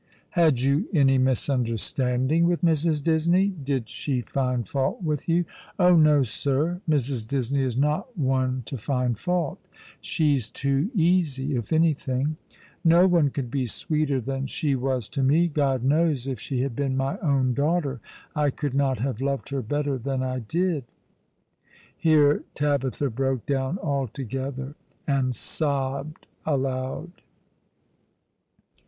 "Had you any misunderstanding with Mrs. Disney? Did she find fault with j'ou ?''" Oh no, sir. Mrs. Disney is not one to find fault. She's n 98 All along the River. too easy, if anything. No one could be sweeter than she was to me. God knows, if she had been my own daughter I could not have loved her better than I did." Here Tabitha broke down altogether, and sobbed aloud.